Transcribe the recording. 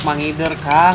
mah ngider kak